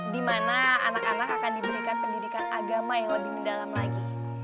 di mana anak anak akan diberikan pendidikan agama yang lebih mendalam lagi